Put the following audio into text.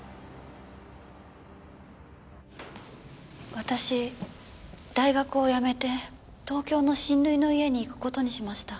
私大学を辞めて東京の親類の家に行く事にしました。